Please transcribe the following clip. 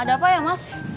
ada apa ya mas